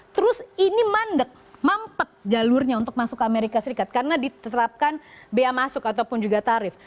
terus ini mandek mampet jalurnya untuk masuk ke amerika serikat karena diterapkan bea masuk ataupun juga tarif